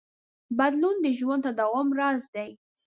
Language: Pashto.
بدلون د ژوند د تداوم راز دی.